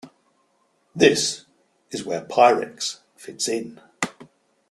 This is where Pyrex fits in.